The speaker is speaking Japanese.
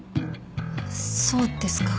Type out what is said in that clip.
そうですか。